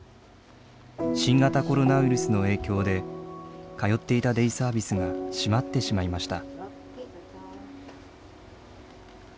新型コロナウイルスの影響で通っていたデイサービスが閉まってしまいました。